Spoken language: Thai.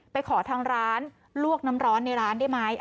ไปขอทางร้านลวกน้ำร้อนในร้านได้ไหม